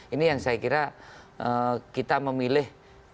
ini yang saya kira kita memilih